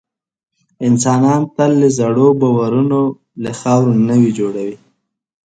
انسانان تل د زړو باورونو له خاورو نوي جوړوي.